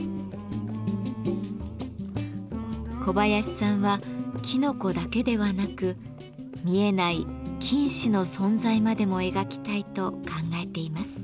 小林さんはきのこだけではなく見えない菌糸の存在までも描きたいと考えています。